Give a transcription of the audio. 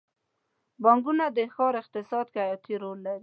بانکونه د ښار اقتصاد کې حیاتي رول لري.